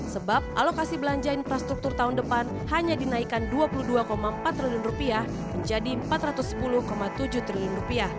sebab alokasi belanja infrastruktur tahun depan hanya dinaikkan rp dua puluh dua empat triliun menjadi rp empat ratus sepuluh tujuh triliun